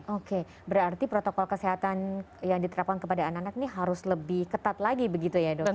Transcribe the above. oke berarti protokol kesehatan yang diterapkan kepada anak anak ini harus lebih tinggi